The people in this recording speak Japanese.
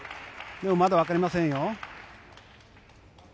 でもまだわかりませんよ。